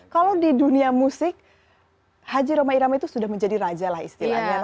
kalau di dunia musik haji roma irama itu sudah menjadi raja lah istilahnya